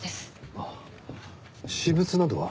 ああ私物などは？